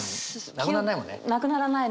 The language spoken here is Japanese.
なくならないので。